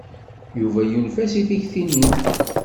Yuba yunef-as i tikti-nni.